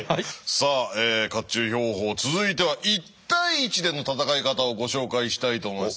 さあ甲冑兵法続いては１対１での戦い方をご紹介したいと思います。